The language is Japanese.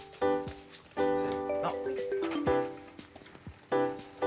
せの。